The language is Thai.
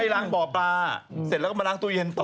ล้างบ่อปลาเสร็จแล้วก็มาล้างตู้เย็นต่อ